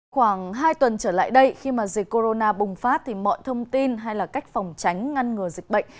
khoảng hai tuần trở lại đây khi mà dịch corona bùng phát thì mọi thông tin hay là cách phòng tránh ngăn ngừa dịch bệnh